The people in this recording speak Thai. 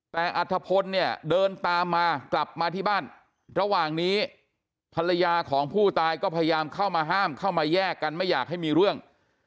แต่อัธพลเนี่ยเดินตามมากลับมาที่บ้านระหว่างนี้ภรรยาของผู้ตายก็พยายามเข้ามาห้ามเข้ามาแยกกันไม่อยากให้มีเรื่อง